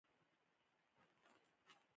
مصنوعي ځیرکتیا د اخلاقي چوکاټ اړتیا څرګندوي.